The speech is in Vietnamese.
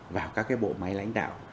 vào các cái bộ máy lãnh đạo